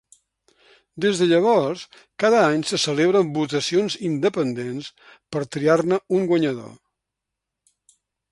Des de llavors, cada any se celebren votacions independents per triar-ne un guanyador.